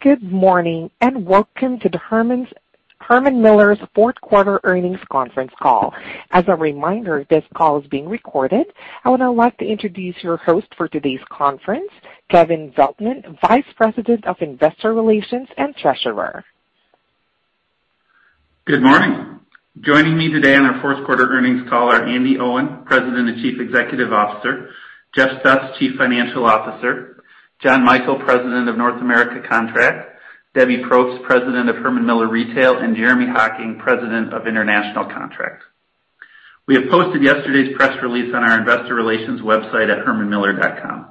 Good morning, welcome to the Herman Miller's fourth quarter earnings conference call. As a reminder, this call is being recorded. I would now like to introduce your host for today's conference, Kevin Veltman, Vice President of Investor Relations and Treasurer. Good morning. Joining me today on our fourth quarter earnings call are Andi Owen, President and Chief Executive Officer, Jeff Stutz, Chief Financial Officer, John Michael, President of North America Contract, Debbie Propst, President of Herman Miller Retail, and Jeremy Hocking, President of International Contract. We have posted yesterday's press release on our investor relations website at hermanmiller.com.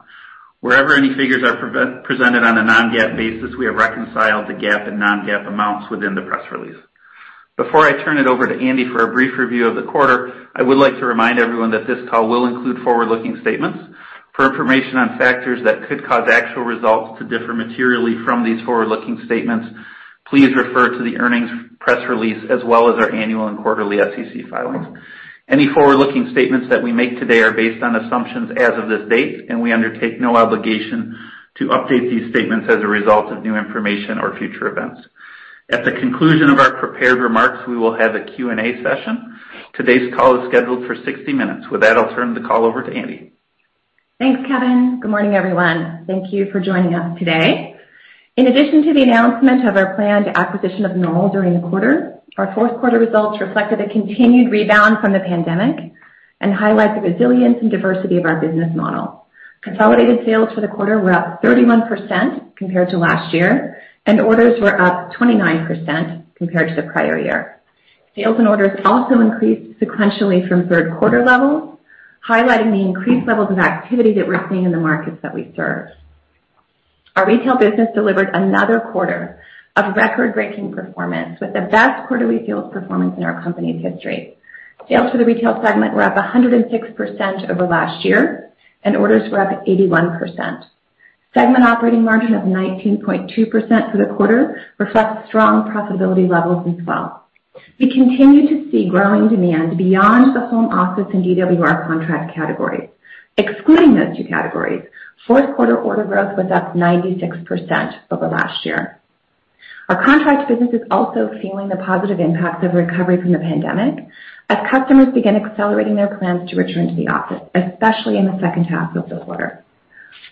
Wherever any figures are presented on a non-GAAP basis, we have reconciled the GAAP and non-GAAP amounts within the press release. Before I turn it over to Andi for a brief review of the quarter, I would like to remind everyone that this call will include forward-looking statements. For information on factors that could cause actual results to differ materially from these forward-looking statements, please refer to the earnings press release, as well as our annual and quarterly SEC filings. Any forward-looking statements that we make today are based on assumptions as of this date, and we undertake no obligation to update these statements as a result of new information or future events. At the conclusion of our prepared remarks, we will have a Q&A session. Today's call is scheduled for 60 minutes. With that, I'll turn the call over to Andi. Thanks, Kevin. Good morning, everyone. Thank you for joining us today. In addition to the announcement of our planned acquisition of Knoll during the quarter, our fourth quarter results reflect the continued rebound from the pandemic and highlight the resilience and diversity of our business model. Consolidated sales for the quarter were up 31% compared to last year, and orders were up 29% compared to the prior year. Sales and orders also increased sequentially from third quarter levels, highlighting the increased levels of activity that we're seeing in the markets that we serve. Our Retail business delivered another quarter of record-breaking performance with the best quarterly field performance in our company's history. Sales for the Retail segment were up 106% over last year, and orders were up 81%. Segment operating margin of 19.2% for the quarter reflects strong profitability levels as well. We continue to see growing demand beyond the home office and DWR contract categories. Excluding those two categories, fourth quarter order growth was up 96% over last year. Our Contract business is also feeling the positive impact of recovery from the pandemic as customers begin accelerating their plans to return to the office, especially in the second half of the quarter.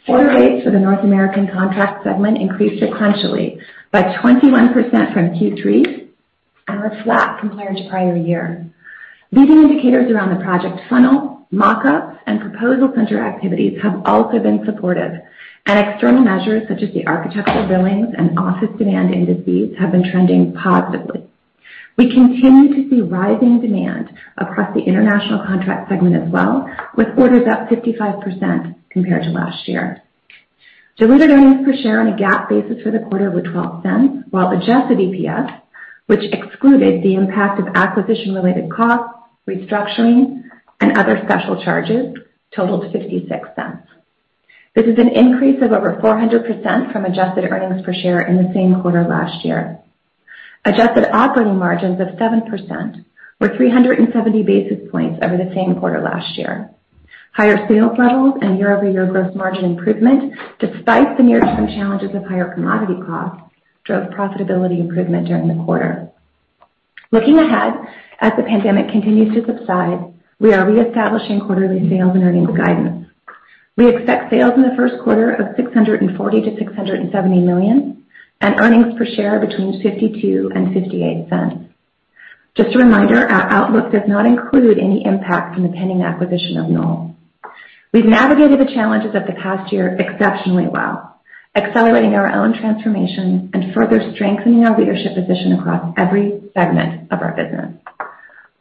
Order rates for the North American Contract segment increased sequentially by 21% from Q3 and were flat compared to prior year. Leading indicators around the project funnel, mock-ups, and proposal center activities have also been supportive, and external measures such as the architectural billings and office demand indices have been trending positively. We continue to see rising demand across the international Contract segment as well, with orders up 55% compared to last year. Diluted earnings per share on a GAAP basis for the quarter of $0.12, while adjusted EPS, which excluded the impact of acquisition-related costs, restructuring, and other special charges, totaled $0.56. This is an increase of over 400% from adjusted earnings per share in the same quarter last year. Adjusted operating margins of 7%, or 370 basis points over the same quarter last year. Higher sales levels and year-over-year gross margin improvement, despite the near-term challenges of higher commodity costs, drove profitability improvement during the quarter. Looking ahead, as the pandemic continues to subside, we are reestablishing quarterly sales and earnings guidance. We expect sales in the first quarter of $640 million-$670 million and earnings per share between $0.52-$0.58. Just a reminder, our outlook does not include any impact from the pending acquisition of Knoll. We've navigated the challenges of the past year exceptionally well, accelerating our own transformation and further strengthening our leadership position across every segment of our business.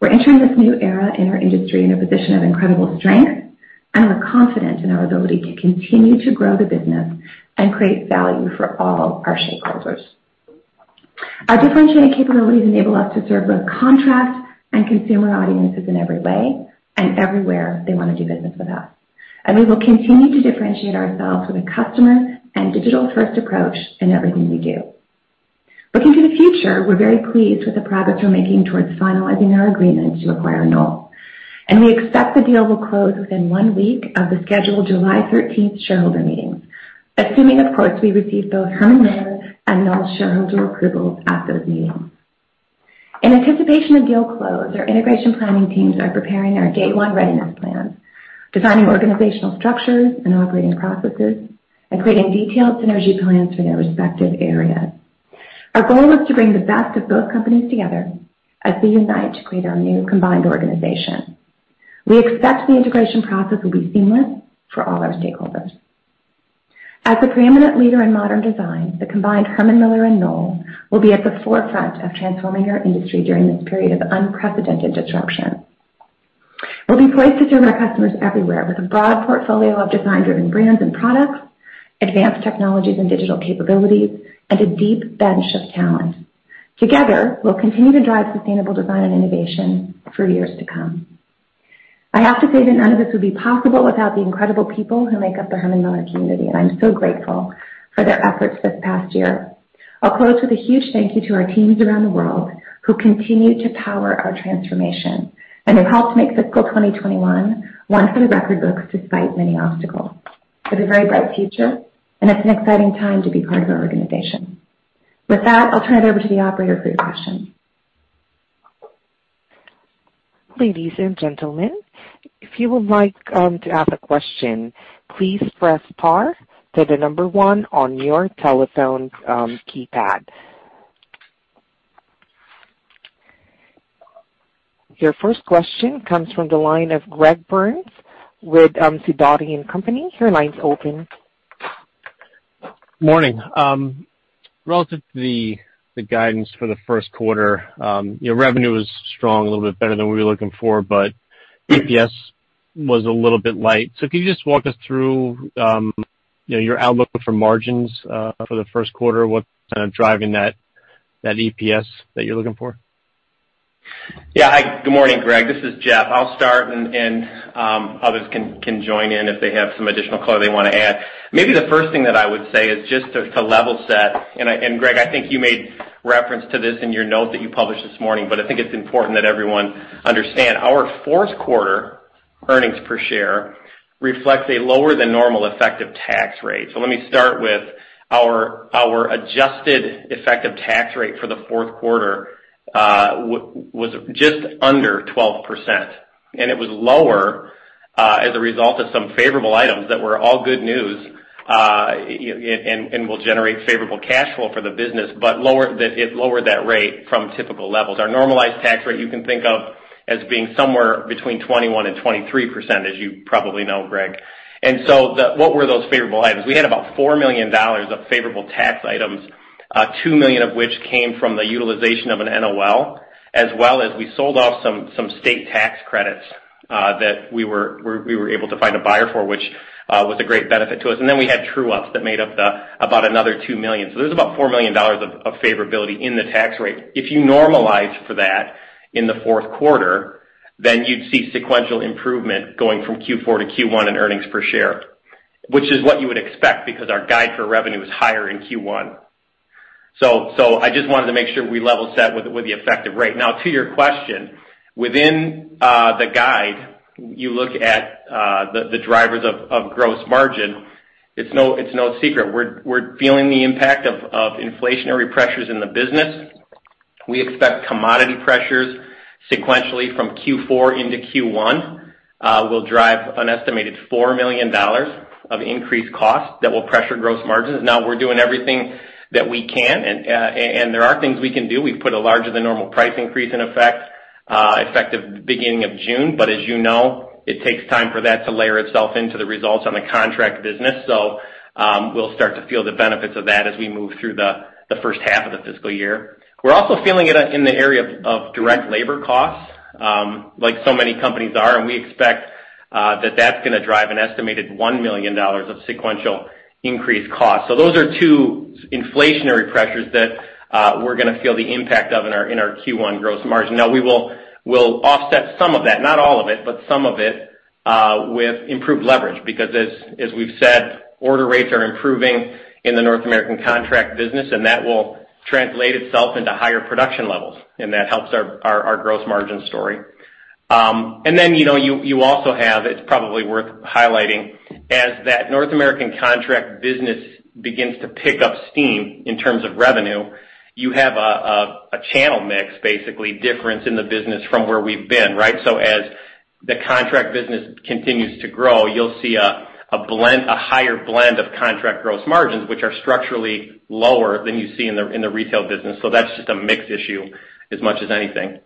We're entering this new era in our industry in a position of incredible strength, and we're confident in our ability to continue to grow the business and create value for all of our shareholders. Our differentiated capabilities enable us to serve both contract and consumer audiences in every way and everywhere they want to do business with us, and we will continue to differentiate ourselves with a customer and digital-first approach in everything we do. Looking to the future, we're very pleased with the progress we're making towards finalizing our agreements to acquire Knoll. We expect the deal will close within one week of the scheduled July 13th shareholder meeting, assuming, of course, we receive both Herman Miller and Knoll shareholder approvals at those meetings. In anticipation of deal close, our integration planning teams are preparing our day one readiness plans, designing organizational structures and operating processes, and creating detailed synergy plans for their respective areas. Our goal is to bring the best of both companies together as we unite to create our new combined organization. We expect the integration process will be seamless for all our stakeholders. As the preeminent leader in modern design, the combined Herman Miller and Knoll will be at the forefront of transforming our industry during this period of unprecedented disruption. We'll be placed to serve our customers everywhere with a broad portfolio of design-driven brands and products, advanced technologies and digital capabilities, and a deep bench of talent. Together, we'll continue to drive sustainable design and innovation for years to come. I have to say that none of this would be possible without the incredible people who make up the Herman Miller community, and I'm so grateful for their efforts this past year. I'll close with a huge thank you to our teams around the world who continue to power our transformation and have helped make fiscal 2021 one for the record books despite many obstacles. It's a very bright future, and it's an exciting time to be part of our organization. With that, I'll turn it over to you, operator, for questions. Ladies and gentlemen, if you would like to ask a question, please press star and one on your touchtone keypad. Your first question comes from the line of Greg Burns with SIDOTI & Company. Your line is open. Morning. Relative to the guidance for the first quarter, your revenue was strong, a little bit better than we were looking for, but EPS was a little bit light. If you could just walk us through your outlook for margins for the first quarter, what's kind of driving that EPS that you're looking for? Good morning, Greg. This is Jeff. I'll start and others can join in if they have some additional color they want to add. Maybe the first thing that I would say is just to level set, and Greg, I think you made reference to this in your note that you published this morning, but I think it's important that everyone understand. Our fourth quarter earnings per share reflect a lower than normal effective tax rate. Let me start with our adjusted effective tax rate for the fourth quarter was just under 12%, and it was lower as a result of some favorable items that were all good news and will generate favorable cash flow for the business, but it lowered that rate from typical levels. Our normalized tax rate you can think of as being somewhere between 21%-23%, as you probably know, Greg. What were those favorable items? We had about $4 million of favorable tax items, $2 million of which came from the utilization of an NOL, as well as we sold off some state tax credits that we were able to find a buyer for, which was a great benefit to us. Then we had true-ups that made up about another $2 million. There's about $4 million of favorability in the tax rate. If you normalize for that in the fourth quarter, then you'd see sequential improvement going from Q4 to Q1 in earnings per share, which is what you would expect because our guide for revenue is higher in Q1. I just wanted to make sure we level set with the effective rate. Now, to your question, within the guide, you look at the drivers of gross margin. It's no secret. We're feeling the impact of inflationary pressures in the business. We expect commodity pressures sequentially from Q4 into Q1 will drive an estimated $4 million of increased cost that will pressure gross margins. We're doing everything that we can, and there are things we can do. We put a larger than normal price increase in effect, effective the beginning of June. As you know, it takes time for that to layer itself into the results on a Contract business. We'll start to feel the benefits of that as we move through the first half of the fiscal year. We're also feeling it in the area of direct labor costs, like so many companies are, and we expect that that's going to drive an estimated $1 million of sequential increased cost. Those are two inflationary pressures that we're going to feel the impact of in our Q1 gross margin. Now we will offset some of that, not all of it, but some of it, with improved leverage because as we've said, order rates are improving in the North American Contract business, and that will translate itself into higher production levels, and that helps our gross margin story. Then you also have, it's probably worth highlighting, as that North American Contract business begins to pick up steam in terms of revenue, you have a channel mix, basically difference in the business from where we've been, right? As the Contract business continues to grow, you'll see a higher blend of Contract gross margins, which are structurally lower than you see in the Retail business. That's just a mix issue as much as anything.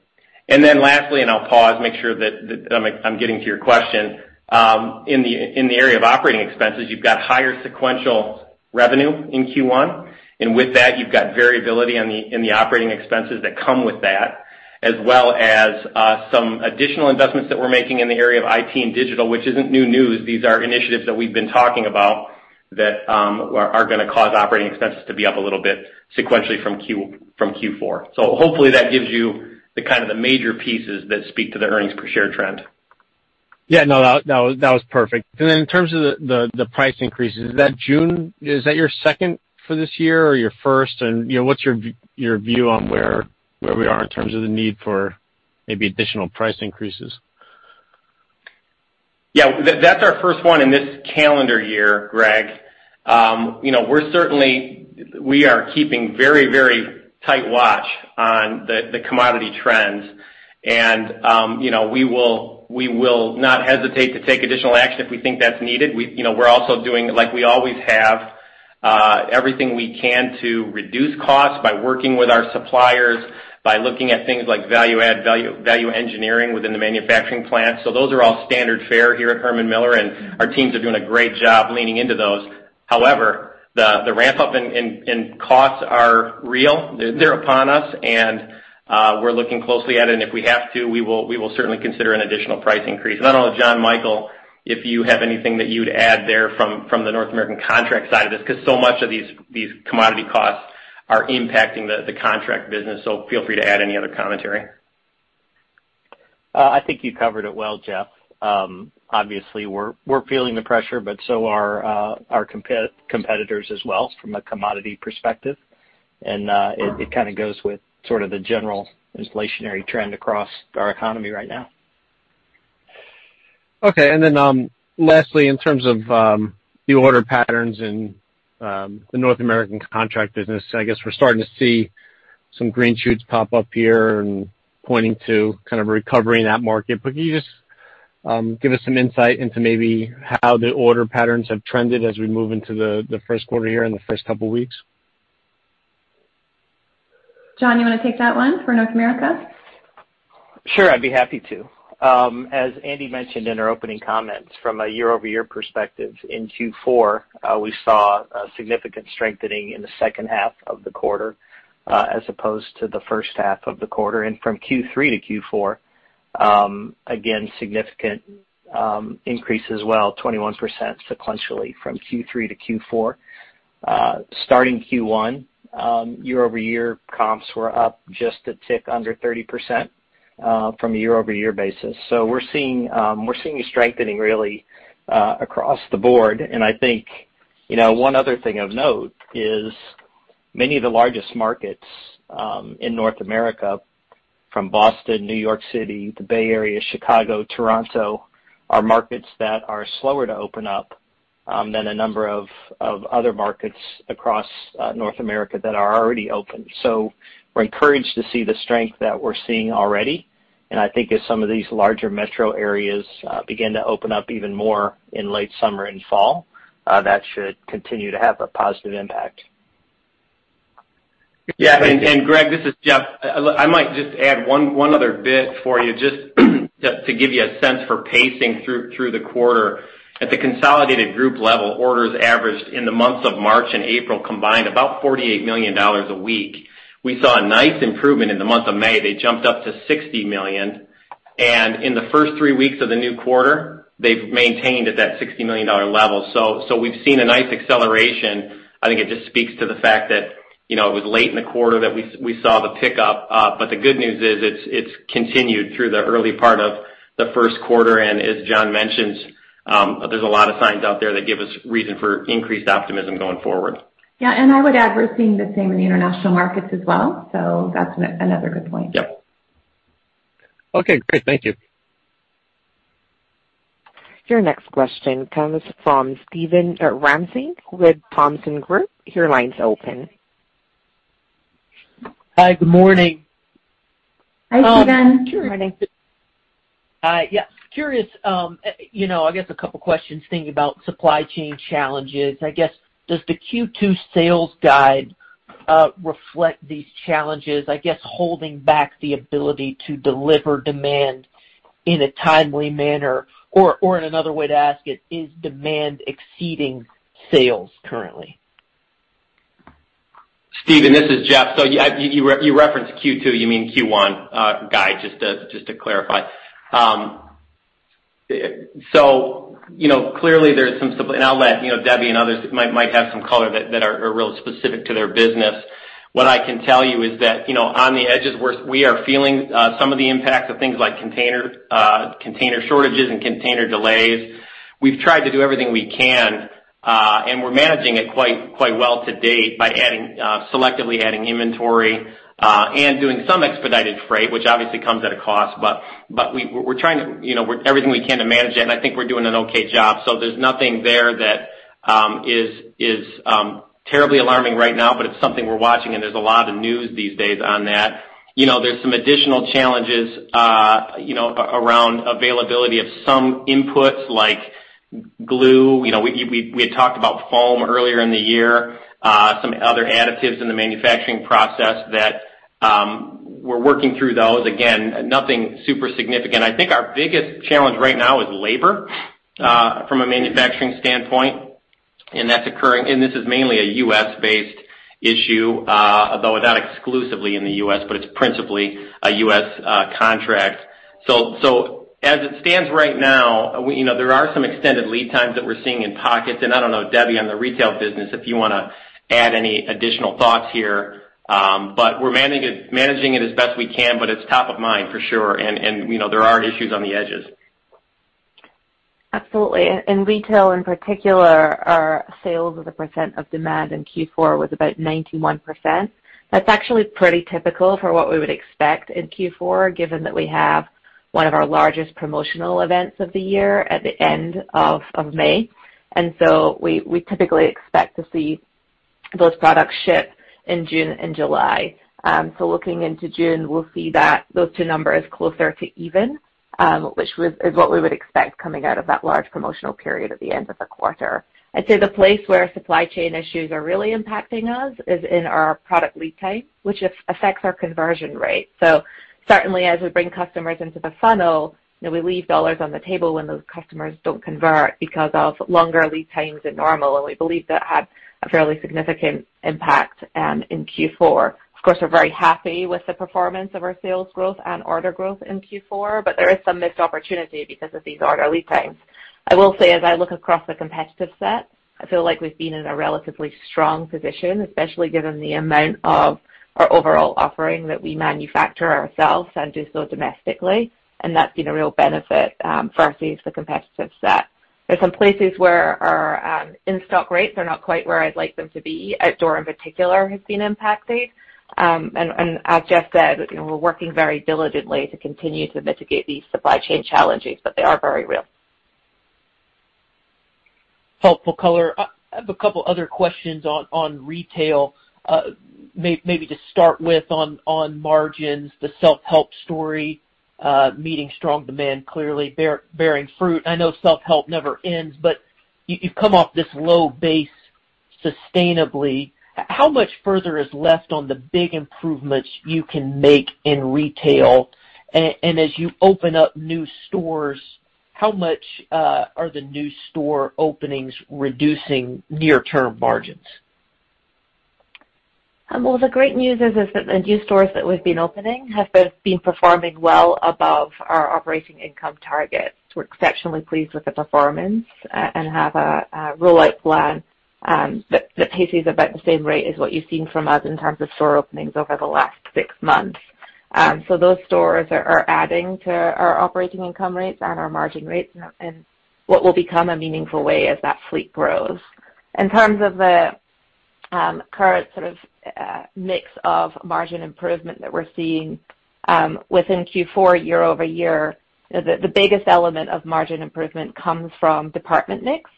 Lastly, and I'll pause, make sure that I'm getting to your question. In the area of operating expenses, you've got higher sequential revenue in Q1, and with that, you've got variability in the operating expenses that come with that, as well as some additional investments that we're making in the area of IT and digital, which isn't new news. These are initiatives that we've been talking about that are going to cause operating expenses to be up a little bit sequentially from Q4. Hopefully that gives you the kind of the major pieces that speak to the earnings per share trend. Yeah, no, that was perfect. In terms of the price increases, is that June? Is that your second for this year or your first, and what's your view on where we are in terms of the need for maybe additional price increases? Yeah, that's our first one in this calendar year, Greg. We are keeping very tight watch on the commodity trends, and we will not hesitate to take additional action if we think that's needed. We're also doing, like we always have, everything we can to reduce costs by working with our suppliers, by looking at things like value engineering within the manufacturing plant. Those are all standard fare here at Herman Miller, and our teams are doing a great job leaning into those. However, the ramp up in costs are real. They're upon us, and we're looking closely at it, and if we have to, we will certainly consider an additional price increase. I don't know, John Michael, if you have anything that you'd add there from the North American Contract side, because so much of these commodity costs are impacting the Contract business. Feel free to add any other commentary. I think you covered it well, Jeff. We're feeling the pressure, so are our competitors as well from a commodity perspective. It goes with the general inflationary trend across our economy right now. Lastly, in terms of the order patterns in the North America Contract business, I guess we're starting to see some green shoots pop up here and pointing to recovering that market. Can you just give us some insight into maybe how the order patterns have trended as we move into the first quarter here in the first couple of weeks? John, you want to take that one for North America? Sure, I'd be happy to. As Andi mentioned in our opening comments, from a year-over-year perspective in Q4, we saw a significant strengthening in the second half of the quarter as opposed to the first half of the quarter. From Q3 to Q4, again, significant increase as well, 21% sequentially from Q3 to Q4. Starting Q1, year-over-year comps were up just a tick under 30% from a year-over-year basis. We're seeing strengthening really across the board. I think, one other thing of note is many of the largest markets in North America, from Boston, New York City, the Bay Area, Chicago, Toronto, are markets that are slower to open up than a number of other markets across North America that are already open. We're encouraged to see the strength that we're seeing already, and I think as some of these larger metro areas begin to open up even more in late summer and fall, that should continue to have a positive impact. Yeah. Greg Burns, this is Jeff Stutz. I might just add one other bit for you, just to give you a sense for pacing through the quarter. At the consolidated group level, orders averaged in the months of March and April combined, about $48 million a week. We saw a nice improvement in the month of May. They jumped up to $60 million, and in the first three weeks of the new quarter, they've maintained at that $60 million level. We've seen a nice acceleration. I think it just speaks to the fact that, it was late in the quarter that we saw the pickup. The good news is it's continued through the early part of the first quarter. As John Michael mentioned, there's a lot of signs out there that give us reason for increased optimism going forward. Yeah, I would add we're seeing the same in the international markets as well. That's another good point. Yep. Okay, great. Thank you. Your next question comes from Steven Ramsey with Thompson Research Group. Your line's open. Hi, good morning. Hi, Steven. Yeah, curious. I guess a couple of questions thinking about supply chain challenges. I guess, does the Q2 sales guide reflect these challenges, I guess, holding back the ability to deliver demand in a timely manner? Or another way to ask it, is demand exceeding sales currently? Steven, this is Jeff. You referenced Q2, you mean Q1 guide, just to clarify. Clearly, there's some outlet, Debbie and others might have some color that are real specific to their business. What I can tell you is that on the edges, we are feeling some of the impact of things like container shortages and container delays. We've tried to do everything we can, and we're managing it quite well to date by selectively adding inventory, and doing some expedited freight, which obviously comes at a cost. We're trying everything we can to manage that. I think we're doing an okay job. There's nothing there that is terribly alarming right now, but it's something we're watching, and there's a lot of news these days on that. There are some additional challenges around availability of some inputs like glue. We had talked about foam earlier in the year, some other additives in the manufacturing process that we're working through those. Again, nothing super significant. I think our biggest challenge right now is labor from a manufacturing standpoint. This is mainly a U.S.-based issue, although not exclusively in the U.S., but it's principally a U.S. contract. As it stands right now, there are some extended lead times that we're seeing in pockets. I don't know, Debbie, on the Retail business, if you want to add any additional thoughts here. We're managing it as best we can, but it's top of mind for sure, and there are issues on the edges. Absolutely. In Retail, in particular, our sales as a percent of demand in Q4 was about 91%. That's actually pretty typical for what we would expect in Q4, given that we have one of our largest promotional events of the year at the end of May. We typically expect to see those products ship in June and July. Looking into June, we'll see that those two numbers closer to even, which is what we would expect coming out of that large promotional period at the end of the quarter. I'd say the place where supply chain issues are really impacting us is in our product lead times, which affects our conversion rate. Certainly as we bring customers into the funnel, we leave dollars on the table when those customers don't convert because of longer lead times than normal. We believe that had a fairly significant impact in Q4. Of course, we're very happy with the performance of our sales growth and order growth in Q4. There is some missed opportunity because of these order lead times. I will say, as I look across the competitive set, I feel like we've been in a relatively strong position, especially given the amount of our overall offering that we manufacture ourselves and do so domestically. That's been a real benefit for us versus the competitive set. There's some places where our in-stock rates are not quite where I'd like them to be. At DWR in particular, has seen impact there. As Jeff said, we're working very diligently to continue to mitigate these supply chain challenges, but they are very real. Helpful color. I have a couple other questions on Retail. Maybe to start with on margins, the self-help story, meeting strong demand, clearly bearing fruit. I know self-help never ends, but you come off this low base sustainably. How much further is left on the big improvements you can make in Retail? As you open up new stores, how much are the new store openings reducing near-term margins? Well, the great news is that the new stores that we've been opening have been performing well above our operating income targets. We're exceptionally pleased with the performance and have a roll-out plan that paces about the same rate as what you've seen from us in terms of store openings over the last six months. Those stores are adding to our operating income rates and our margin rates in what will become a meaningful way as that fleet grows. In terms of the current mix of margin improvement that we're seeing within Q4 year-over-year, is that the biggest element of margin improvement comes from department mix.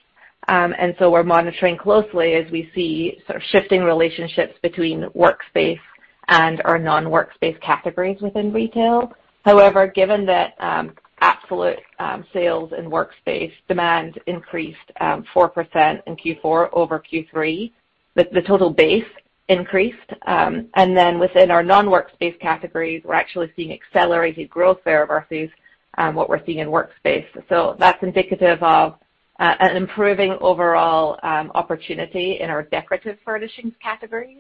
We're monitoring closely as we see shifting relationships between Workspace and our non-Workspace categories within Retail. However, given that absolute sales in Workspace demand increased 4% in Q4 over Q3, the total base increased. Then within our non-Workspace categories, we're actually seeing accelerated growth there versus what we're seeing in Workspace. That's indicative of an improving overall opportunity in our decorative furnishings categories.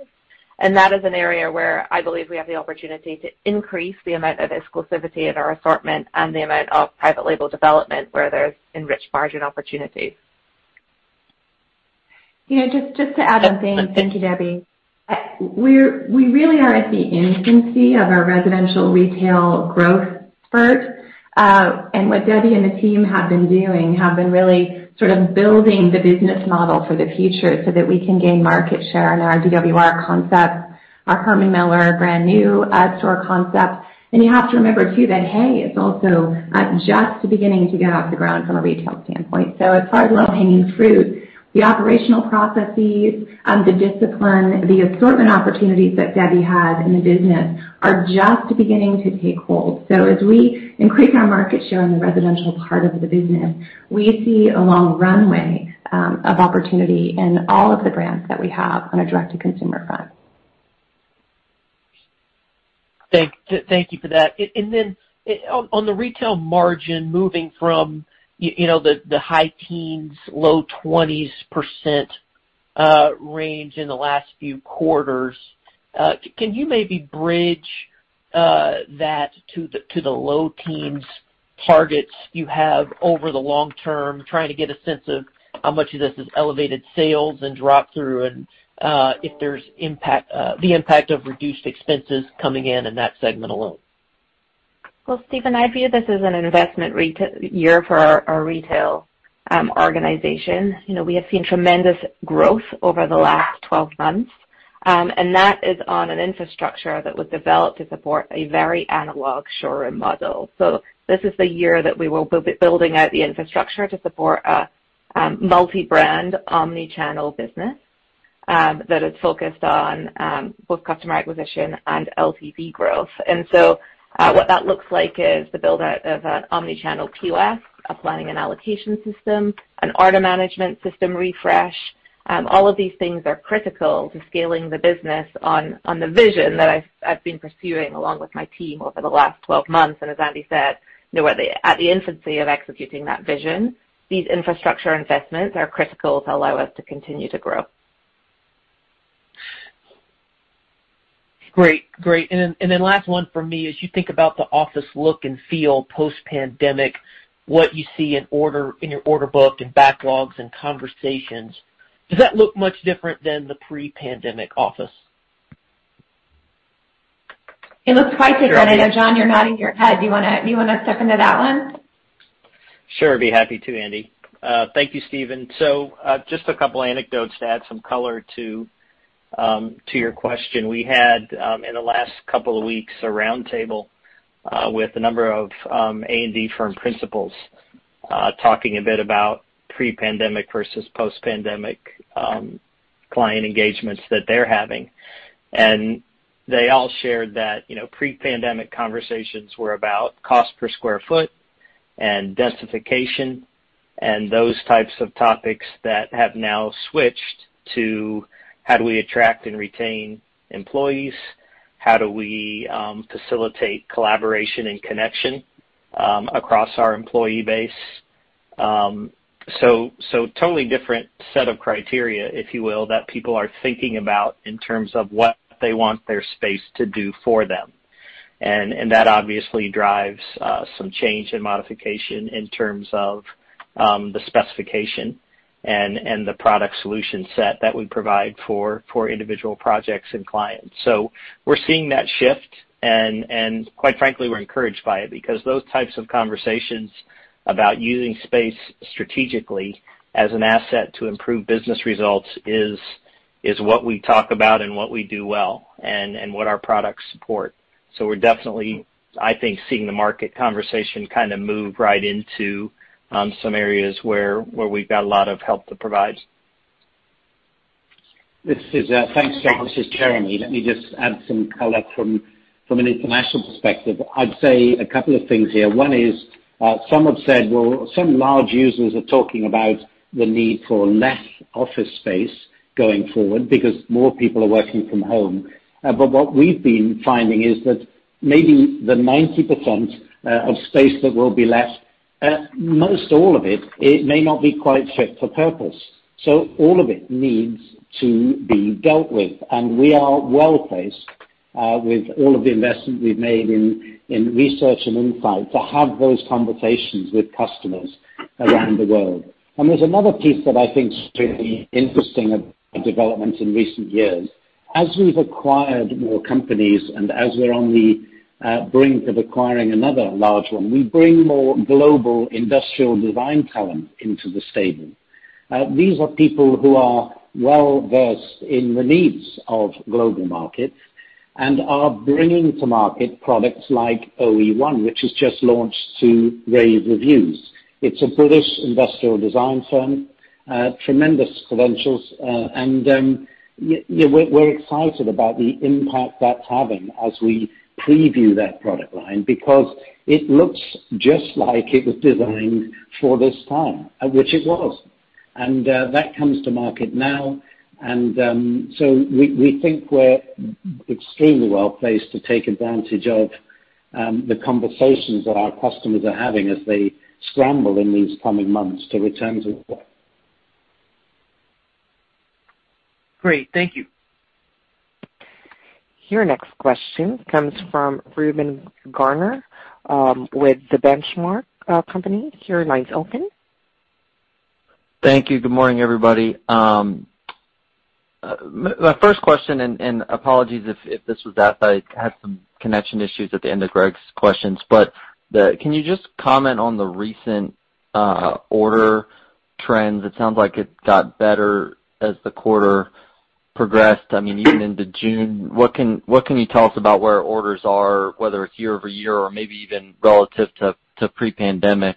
That is an area where I believe we have the opportunity to increase the amount of exclusivity in our assortment and the amount of private label development where there's enriched margin opportunities. Yeah, just to add in. Thank you, Debbie. We really are at the infancy of our residential Retail growth spurt. What Debbie and the team have been doing, have been really sort of building the business model for the future so that we can gain market share in our DWR concept. Our Herman Miller are brand new store concepts. You have to remember too, that HAY is also at just the beginning to get off the ground from a Retail standpoint. It's hard to low-hanging fruit. The operational processes, the discipline, the assortment opportunities that Debbie has in the business are just beginning to take hold. As we increase our market share in the residential part of the business, we see a long runway of opportunity in all of the brands that we have in our direct-to-consumer front. Thank you for that. Then on the Retail margin moving from the high teens, low 20s% range in the last few quarters, can you maybe bridge that to the low teens targets you have over the long term? Trying to get a sense of how much of this is elevated sales and drop through, and if there's the impact of reduced expenses coming in that segment a little. Steven, I view this as an investment year for our Retail organization. We have seen tremendous growth over the last 12 months, and that is on an infrastructure that was developed to support a very analog showroom model. This is the year that we will be building out the infrastructure to support a multi-brand omnichannel business that is focused on both customer acquisition and LTV growth. What that looks like is the build-out of an omnichannel POS, applying an allocation system, an order management system refresh. All of these things are critical to scaling the business on the vision that I've been pursuing along with my team over the last 12 months. As Andi said, we're at the infancy of executing that vision. These infrastructure investments are critical to allow us to continue to grow. Great. Last one from me. As you think about the office look and feel post-pandemic, what you see in your order book and backlogs and conversations, does that look much different than the pre-pandemic office? It looks quite different. John, you're nodding your head. You want to step into that one? Sure, be happy to, Andi. Thank you, Steven. Just a couple anecdotes to add some color to your question. We had, in the last couple of weeks, a roundtable with a number of A&D firm principals talking a bit about pre-pandemic versus post-pandemic client engagements that they're having. They all shared that pre-pandemic conversations were about cost per square foot and densification and those types of topics that have now switched to how do we attract and retain employees, how do we facilitate collaboration and connection across our employee base. Totally different set of criteria, if you will, that people are thinking about in terms of what they want their space to do for them. That obviously drives some change and modification in terms of the specification and the product solution set that we provide for individual projects and clients. We're seeing that shift and quite frankly, we're encouraged by it because those types of conversations about using space strategically as an asset to improve business results is what we talk about and what we do well and what our products support. We're definitely, I think, seeing the market conversation kind of move right into some areas where we've got a lot of help to provide. Thanks, John. This is Jeremy. Let me just add some color from an International perspective. I'd say a couple of things here. One is, some have said, well, some large users are talking about the need for less office space going forward because more people are working from home. What we've been finding is that maybe the 90% of space that will be left, most all of it may not be quite fit for purpose. All of it needs to be dealt with. We are well-placed with all of the investment we've made in research and insight to have those conversations with customers around the world. There's another piece that I think is extremely interesting development in recent years. As we've acquired more companies and as we're on the brink of acquiring another large one, we bring more global industrial design talent into the stable. These are people who are well-versed in the needs of global markets and are bringing to market products like OE1, which has just launched to rave reviews. It's a British industrial design firm, tremendous credentials, and we're excited about the impact that's having as we preview that product line because it looks just like it was designed for this time, which it was. That comes to market now, and so we think we're extremely well-placed to take advantage of the conversations that our customers are having as they scramble in these coming months to return to work. Great. Thank you. Your next question comes from Reuben Garner with The Benchmark Company. Your line is open. Thank you. Good morning, everybody. My first question, apologies if this was asked, I had some connection issues at the end of Greg's questions. Can you just comment on the recent order trends? It sounds like it got better as the quarter progressed. I mean, even into June. What can you tell us about where orders are, whether it's year-over-year or maybe even relative to pre-pandemic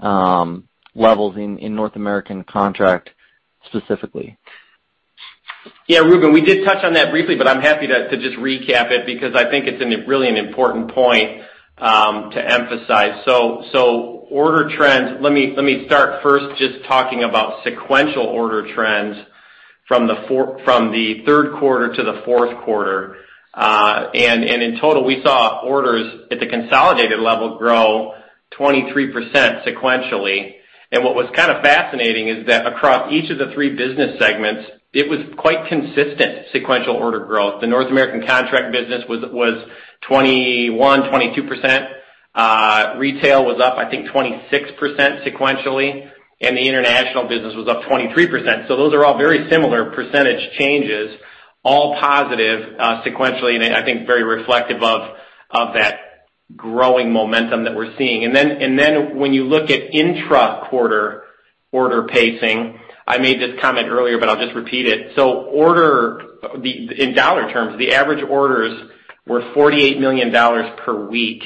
levels in North American Contract specifically? Yeah, Reuben, we did touch on that briefly, but I'm happy to just recap it because I think it's really an important point to emphasize. Order trends, let me start first just talking about sequential order trends from the third quarter to the fourth quarter. In total, we saw orders at the consolidated level grow 23% sequentially. What was kind of fascinating is that across each of the three business segments, it was quite consistent sequential order growth. The North American Contract business was 21%-22%. Retail was up, I think, 26% sequentially. The International business was up 23%. Those are all very similar percentage changes, all positive sequentially, and I think very reflective of that growing momentum that we're seeing. When you look at intra-quarter order pacing, I made this comment earlier, but I'll just repeat it. In dollar terms, the average orders were $48 million per week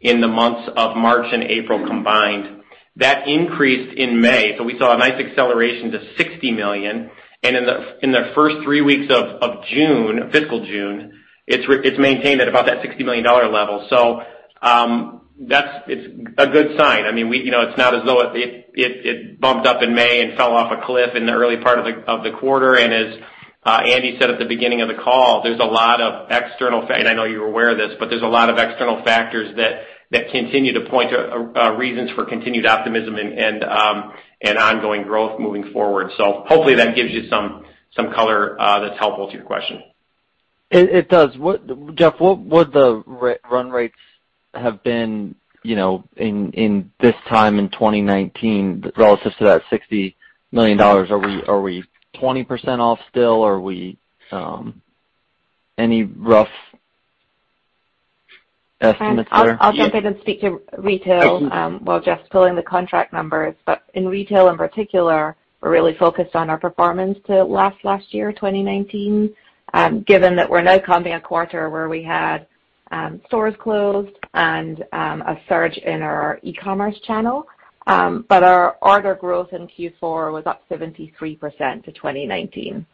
in the months of March and April combined. That increased in May. We saw a nice acceleration to $60 million. In the first three weeks of June, fiscal June, it's maintained at about that $60 million level. It's a good sign. It's not as though it bumped up in May and fell off a cliff in the early part of the quarter. As Andi said at the beginning of the call, there's a lot of external factors, I know you're aware of this, but there's a lot of external factors that continue to point to reasons for continued optimism and ongoing growth moving forward. Hopefully that gives you some color that's helpful to your question. It does. Jeff, what the run rates have been in this time in 2019 relative to that $60 million? Are we 20% off still? Any rough estimates there? I'll take this to Retail while Jeff's pulling the Contract numbers. In Retail in particular, we're really focused on our performance to last year, 2019, given that we're now coming a quarter where we had stores closed and a surge in our e-commerce channel. Our order growth in Q4 was up 73% to 2019.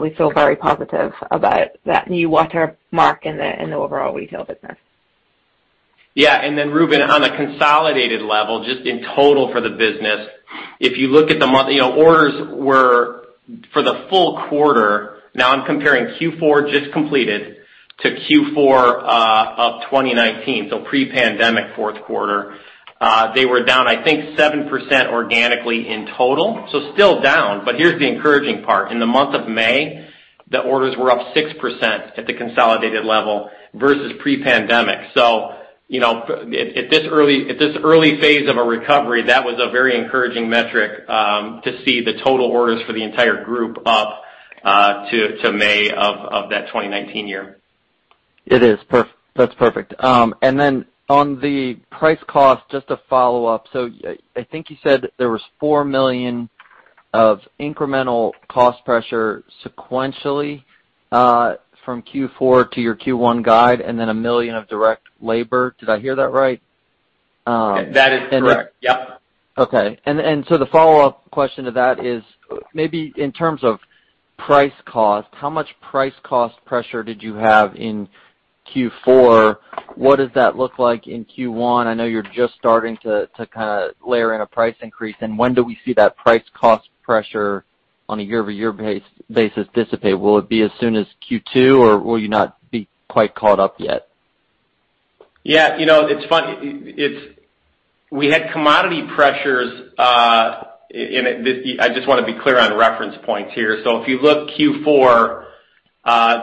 We feel very positive about that new watermark in the overall Retail business. Yeah. Reuben, on a consolidated level, just in total for the business, if you look at the month, orders were for the full quarter. Now I'm comparing Q4 just completed to Q4 of 2019, so pre-pandemic fourth quarter. They were down, I think, 7% organically in total. Still down, but here's the encouraging part. In the month of May, the orders were up 6% at the consolidated level versus pre-pandemic. At this early phase of a recovery, that was a very encouraging metric to see the total orders for the entire group up to May of that 2019 year. It is. That's perfect. On the price cost, just to follow up. I think you said there was $4 million of incremental cost pressure sequentially from Q4 to your Q1 guide, and then $1 million of direct labor. Did I hear that right? That is correct. Yep. Okay. The follow-up question to that is maybe in terms of price cost, how much price cost pressure did you have in Q4? What does that look like in Q1? I know you're just starting to layer in a price increase. When do we see that price cost pressure on a year-over-year basis dissipate? Will it be as soon as Q2, or will you not be quite caught up yet? Yeah. We had commodity pressures. I just want to be clear on the reference points here. If you look Q4,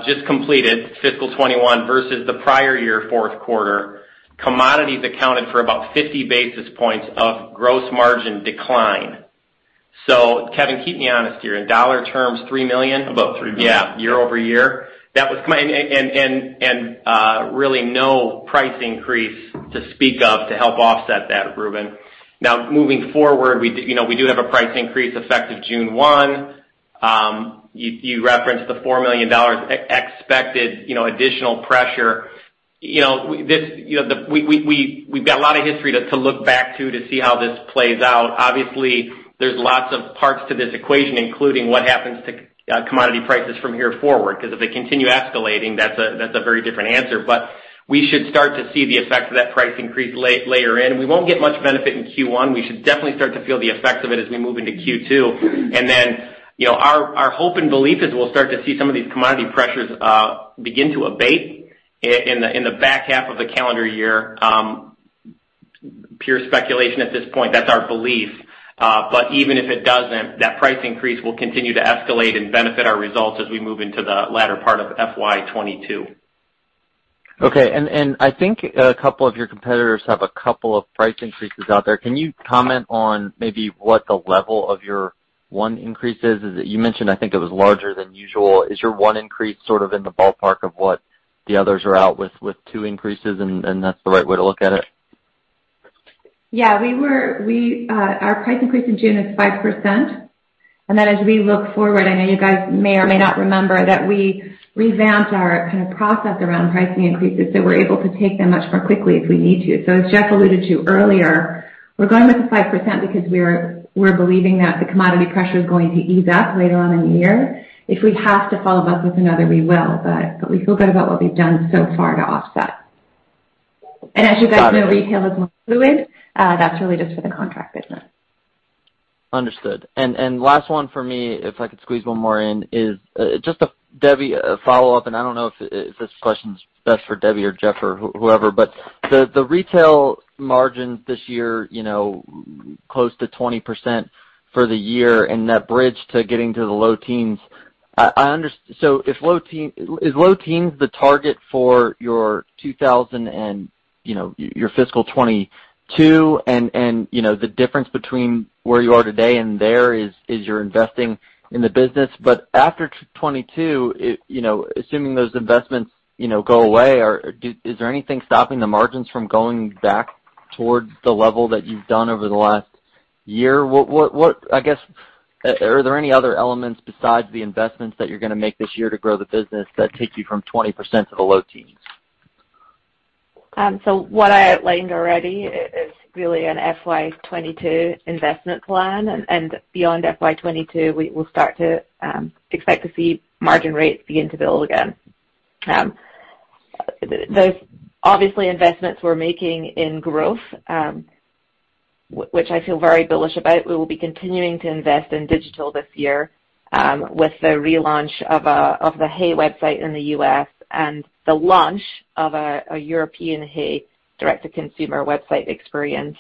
just completed fiscal 2021 versus the prior year fourth quarter, commodities accounted for about 50 basis points of gross margin decline. Kevin, keep me honest here. In dollar terms, $3 million? About $3 million. Yeah. Year-over-year. Really no price increase to speak of to help offset that, Reuben. Now moving forward, we do have a price increase effective June 1. You referenced the $4 million expected additional pressure. We've got a lot of history to look back to see how this plays out. Obviously, there's lots of parts to this equation, including what happens to commodity prices from here forward. If they continue escalating, that's a very different answer. We should start to see the effect of that price increase layer in. We won't get much benefit in Q1. We should definitely start to feel the effect of it as we move into Q2. Our hope and belief is we'll start to see some of these commodity pressures begin to abate in the back half of the calendar year. Pure speculation at this point. That's our belief. Even if it doesn't, that price increase will continue to escalate and benefit our results as we move into the latter part of FY 2022. Okay. I think a couple of your competitors have a couple of price increases out there. Can you comment on maybe what the level of your one increase is? You mentioned, I think it was larger than usual. Is your one increase sort of in the ballpark of what the others are out with two increases and that's the right way to look at it? Yeah. Our price increase in June is 5%. As we look forward, I know you guys may or may not remember that we revamped our kind of process around pricing increases, so we're able to take them much more quickly if we need to. As Jeff alluded to earlier, we're going with the 5% because we're believing that the commodity pressure is going to ease up later on in the year. If we have to follow up with another, we will. We feel good about what we've done so far to offset. As you said, the Retail is more fluid. That's related to the Contract business. Understood. Last one for me, if I could squeeze one more in, is just a follow-up, and I don't know if this question is best for Debbie or Jeff or whoever. The Retail margins this year close to 20% for the year and that bridge to getting to the low teens. Is low teens the target for your fiscal 2022? The difference between where you are today and there is you're investing in the business? After 2022, assuming those investments go away, is there anything stopping the margins from going back towards the level that you've done over the last year? I guess, are there any other elements besides the investments that you're going to make this year to grow the business that take you from 20% to the low teens? What I outlined already is really an FY 2022 investment plan, and beyond FY 2022, we will start to expect to see margin rates begin to build again. Those obviously investments we're making in growth which I feel very bullish about. We will be continuing to invest in digital this year with the relaunch of the HAY website in the U.S. and the launch of a European HAY direct-to-consumer website experience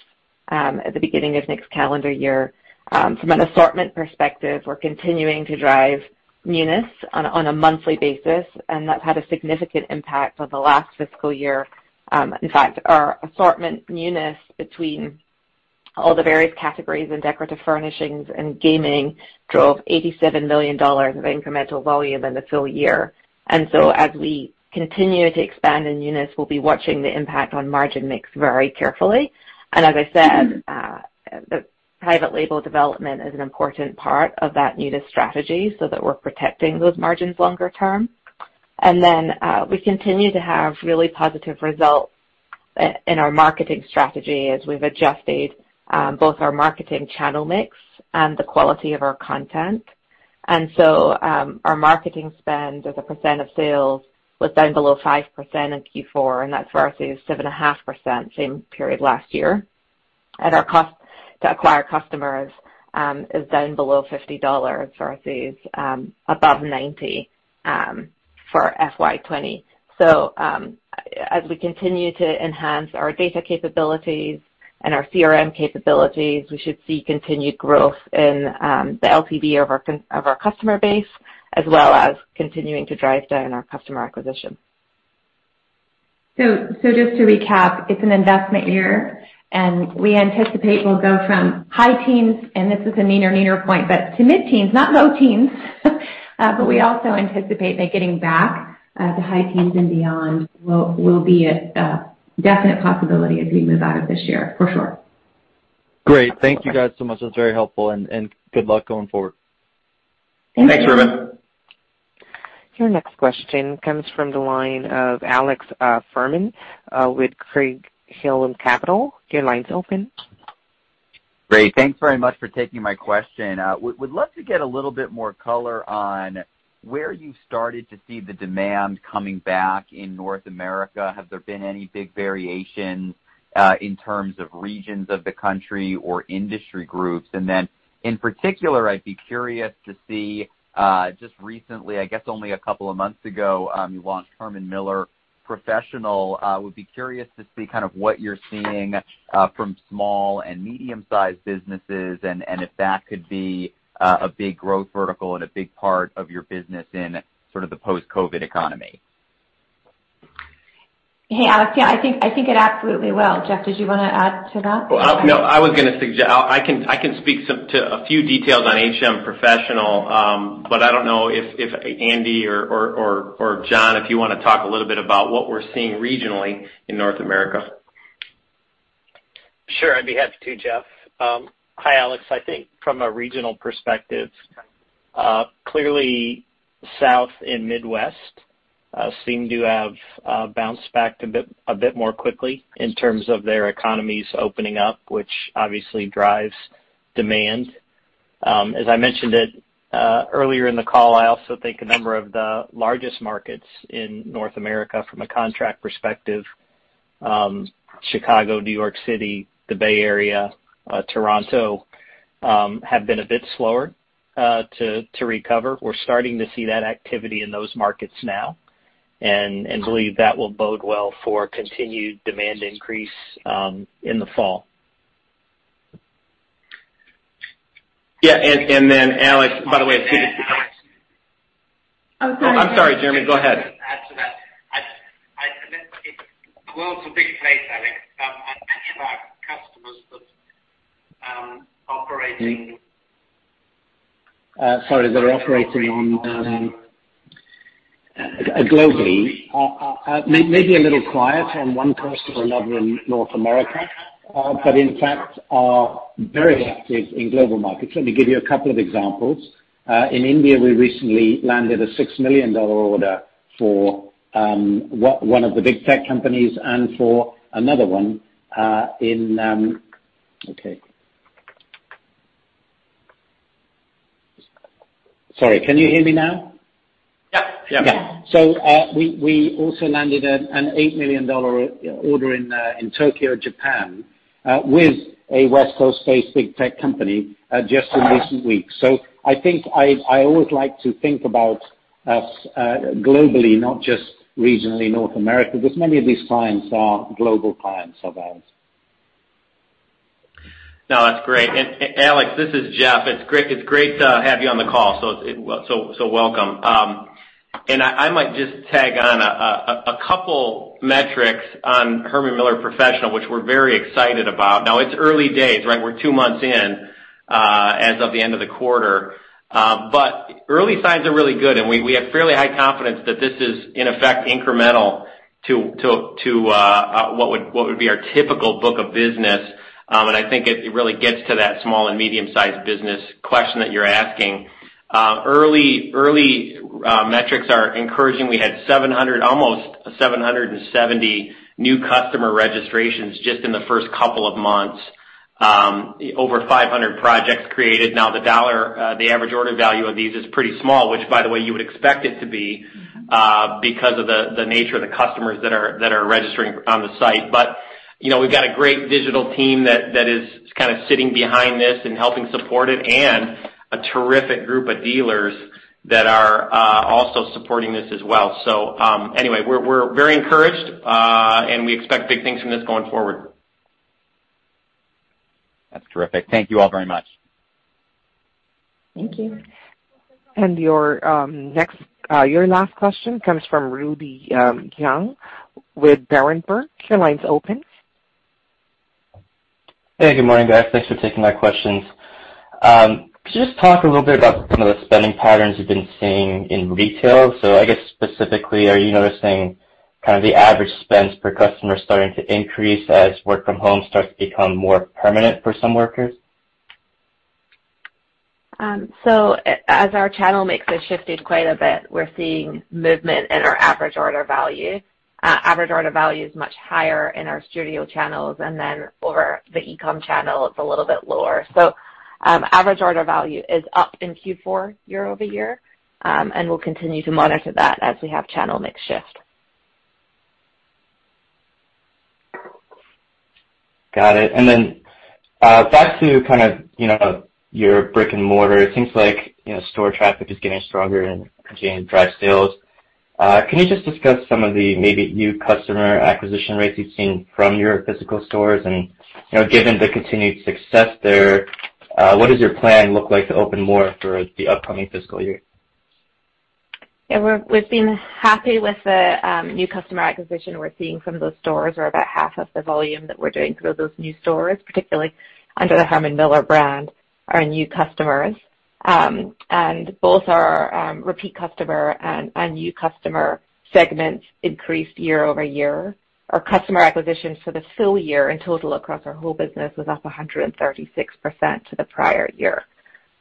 at the beginning of next calendar year. From an assortment perspective, we're continuing to drive newness on a monthly basis, and that had a significant impact for the last fiscal year. In fact, our assortment newness between all the various categories in decorative furnishings and gaming drove $87 million of incremental volume in the full year. As we continue to expand in newness, we'll be watching the impact on margin mix very carefully. As I said, the private label development is an important part of that new strategy so that we're protecting those margins longer term. We continue to have really positive results in our marketing strategy as we've adjusted both our marketing channel mix and the quality of our content. Our marketing spend as a percent of sales was down below 5% in Q4, and that's versus 7.5% same period last year. Our cost to acquire customers is down below $50 versus above $90 for FY 2020. As we continue to enhance our data capabilities and our CRM capabilities, we should see continued growth in the LTV of our customer base as well as continuing to drive down our customer acquisition. Just to recap, it's an investment year, and we anticipate we'll go from high teens, and this is a mid-year point, but to mid-teens, not low teens. We also anticipate that getting back to high teens and beyond will be a definite possibility as we move out of this year, for sure. Great. Thank you guys so much. That is very helpful, and good luck going forward. Thanks. Your next question comes from the line of Alex Fuhrman with Craig-Hallum Capital. Your line is open. Great. Thanks very much for taking my question. Would love to get a little bit more color on where you started to see the demand coming back in North America. Has there been any big variations in terms of regions of the country or industry groups? Then in particular, I'd be curious to see, just recently, I guess only a couple of months ago, you launched Herman Miller Professional. I would be curious to see what you're seeing from small and medium-sized businesses and if that could be a big growth vertical and a big part of your business in the post-COVID economy. Yeah. I think it absolutely will. Jeff, did you want to add to that? Well, I was going to speak. I can speak to a few details on HM Professional, but I don't know if Andi or John, if you want to talk a little bit about what we're seeing regionally in North America. Sure, I'd be happy to, Jeff. Hi, Alex. I think from a regional perspective, clearly South and Midwest seem to have bounced back a bit more quickly in terms of their economies opening up, which obviously drives demand. As I mentioned it earlier in the call, I also think a number of the largest markets in North America from a Contract perspective, Chicago, New York City, the Bay Area, Toronto, have been a bit slower to recover. We're starting to see that activity in those markets now and believe that will bode well for continued demand increase in the fall. Yeah. Alex, by the way. I'm sorry, Jeremy, go ahead. The world's a big place, Alex. In fact, customers that are operating, sorry, they're operating on a global basis. Maybe a little quieter on one coast or another in North America, but in fact are very active in global markets. Let me give you a couple of examples. In India, we recently landed a $6 million order for one of the big tech companies and for another one in Okay. Sorry, can you hear me now? Yeah. Yeah. We also landed an $8 million order in Tokyo, Japan, with a West Coast-based big tech company just in recent weeks. I always like to think about us globally, not just regionally North America, because many of these clients are global clients of ours. No, that's great. Alex Fuhrman, this is Jeff. It's great to have you on the call. Welcome. I might just tag on a couple metrics on Herman Miller Professional, which we're very excited about. Now it's early days, right? We're two months in as of the end of the quarter. Early signs are really good, and we have fairly high confidence that this is in effect incremental to what would be our typical book of business. I think it really gets to that small and medium-sized business question that you're asking. Early metrics are encouraging. We had almost 770 new customer registrations just in the first couple of months. Over 500 projects created. Now, the Average Order Value of these is pretty small, which by the way you would expect it to be because of the nature of the customers that are registering on the site. We've got a great digital team that is sitting behind this and helping support it and a terrific group of dealers that are also supporting this as well. Anyway, we're very encouraged, and we expect big things from this going forward. That's terrific. Thank you all very much. Thank you. Your last question comes from Rudy Yang with Berenberg. Your line's open. Hey, good morning, guys. Thanks for taking my questions. Could you just talk a little bit about some of the spending patterns you've been seeing in Retail? I guess specifically, are you noticing the average spend per customer starting to increase as work from home starts to become more permanent for some workers? As our channel mix has shifted quite a bit, we're seeing movement in our average order value. Average order value is much higher in our studio channels, and then for the e-com channel, it's a little bit lower. Average Order Value is up in Q4 year-over-year, and we'll continue to monitor that as we have channel mix shift. Got it. Back to your brick and mortar, things like store traffic is getting stronger and DWR sales. Can you just discuss some of the maybe new customer acquisition rates you've seen from your physical stores, and given the continued success there, what does your plan look like to open more throughout the upcoming fiscal year? We've been happy with the new customer acquisition we're seeing from those stores. We're about half of the volume that we're doing through those new stores, particularly under the Herman Miller brand, are new customers. Both our repeat customer and new customer segments increased year-over-year. Our customer acquisitions for the full year in total across our whole business was up 136% to the prior year.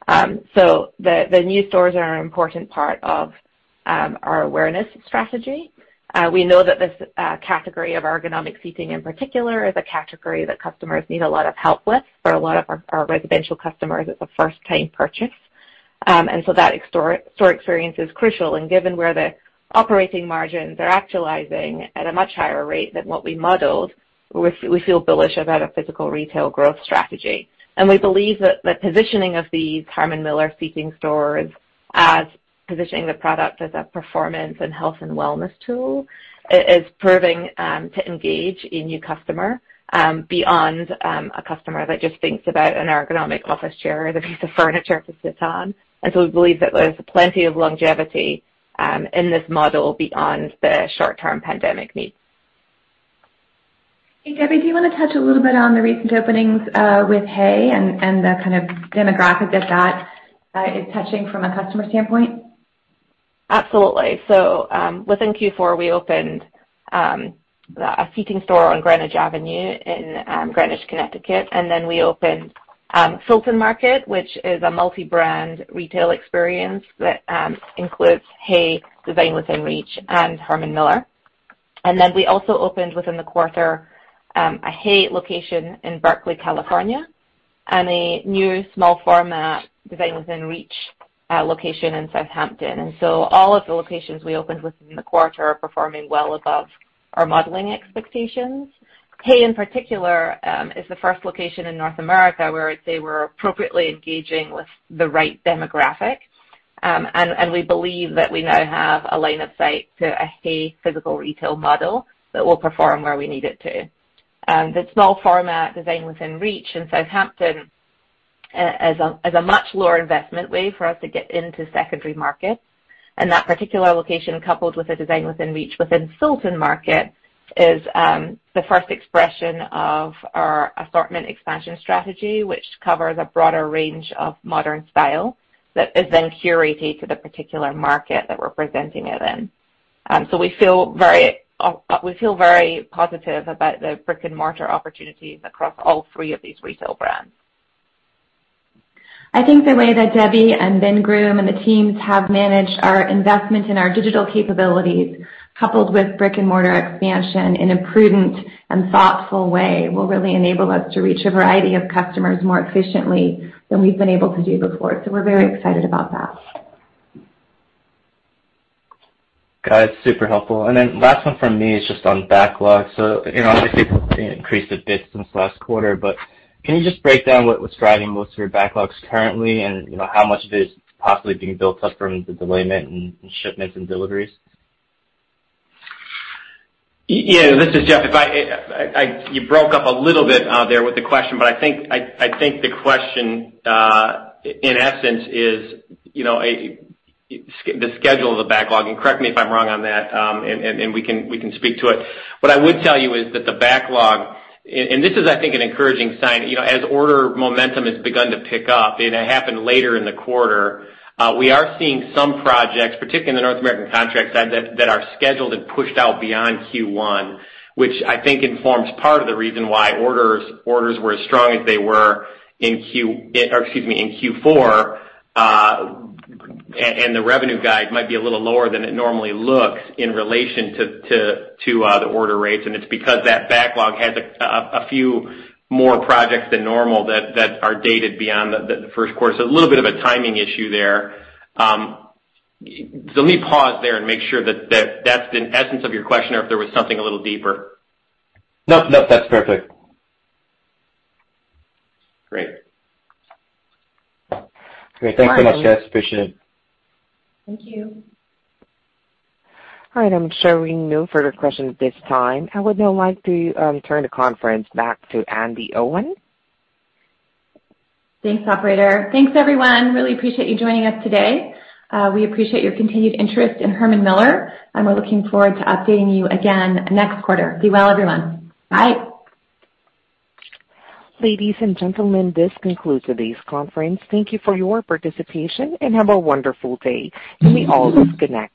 The new stores are an important part of our awareness strategy. We know that this category of ergonomic seating in particular is a category that customers need a lot of help with. For a lot of our residential customers, it's a first-time purchase. That store experience is crucial. Given where the operating margins are actualizing at a much higher rate than what we modeled, we feel bullish about a physical Retail growth strategy. We believe that the positioning of the Herman Miller seating stores as positioning the product as a performance and health and wellness tool is proving to engage a new customer beyond a customer that just thinks about an ergonomic office chair and a piece of furniture to sit on. We believe that there's plenty of longevity in this model beyond the short-term pandemic needs. I think, Debbie, do you want to touch a little bit on the recent openings with HAY and the kind of demographic that is touching from a customer standpoint? Absolutely. Within Q4, we opened a seating store on Greenwich Avenue in Greenwich, Connecticut, then we opened Fulton Market, which is a multi-brand Retail experience that includes HAY, Design Within Reach, and Herman Miller. Then we also opened within the quarter a HAY location in Berkeley, California, and a new small format Design Within Reach location in Southampton. All of the locations we opened within the quarter are performing well above our modeling expectations. HAY, in particular, is the first location in North America where I'd say we're appropriately engaging with the right demographics. We believe that we now have a line of sight to a HAY physical Retail model that will perform where we need it to. The small format Design Within Reach in Southampton is a much lower investment way for us to get into secondary markets. That particular location, coupled with the Design Within Reach within Fulton Market, is the first expression of our assortment expansion strategy, which covers a broader range of modern style that is then curated to the particular market that we're presenting it in. We feel very positive about the brick-and-mortar opportunities across all three of these Retail brands. I think the way that Debbie and Ben Groom and the teams have managed our investment in our digital capabilities, coupled with brick-and-mortar expansion in a prudent and thoughtful way, will really enable us to reach a variety of customers more efficiently than we've been able to do before. We're very excited about that. Got it. Super helpful. Last one from me is just on backlog. Obviously it increased a bit since last quarter, but can you just break down what's driving most of your backlogs currently and how much of it is possibly being built up from the delay in shipments and deliveries? Yeah. This is Jeff. You broke up a little bit there with the question, but I think the question, in essence, is the schedule of the backlog. Correct me if I'm wrong on that, and we can speak to it. What I would tell you is that the backlog, and this is, I think, an encouraging sign. As order momentum has begun to pick up, and it happened later in the quarter, we are seeing some projects, particularly in the North America Contract side, that our schedule had pushed out beyond Q1, which I think informs part of the reason why orders were as strong as they were in Q4. The revenue guide might be a little lower than it normally looks in relation to the order rates. It's because that backlog has a few more projects than normal that are dated beyond the first quarter. A little bit of a timing issue there. Let me pause there and make sure that that's the essence of your question, or if there was something a little deeper. No, that's perfect. Great. Great. Thanks so much, guys. Appreciate it. Thank you. All right, I'm showing no further questions at this time. I would now like to turn the conference back to Andi Owen. Thanks, operator. Thanks, everyone. Really appreciate you joining us today. We appreciate your continued interest in Herman Miller, and we're looking forward to updating you again next quarter. Be well, everyone. Bye. Ladies and gentlemen, this concludes today's conference. Thank you for your participation, and have a wonderful day. You may all disconnect.